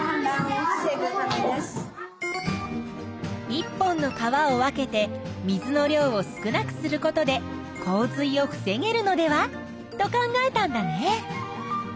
１本の川を分けて水の量を少なくすることで洪水を防げるのではと考えたんだね。